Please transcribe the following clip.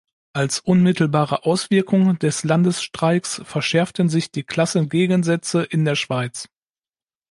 Als unmittelbare Auswirkung des Landesstreiks verschärften sich die Klassengegensätze in der Schweiz.